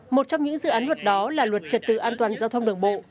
một trong những dự án luật đó là luật trật tự an toàn giao thông đường bộ